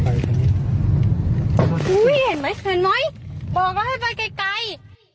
มันไม่เผินไหมบอกแล้วให้ไปไกล